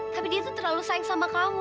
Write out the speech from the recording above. tapi dia tuh terlalu sayang sama kamu